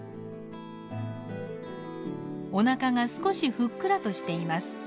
おなかが少しふっくらとしています。